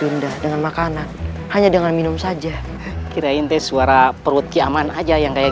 rendah dengan makanan hanya dengan minum saja kira inti suara perut kiaman aja yang kayak